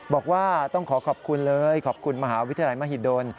บอกว่าต้องขอขอบคุณเลยขอบคุณมหาวิทยาลัยมหิดล